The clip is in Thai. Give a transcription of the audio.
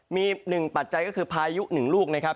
มี๑ปัจจัยก็คือพายุหนึ่งลูกนะครับ